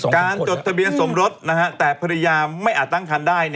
จดทะเบียนสมรสแต่ภรรยาไม่อาจตั้งคันได้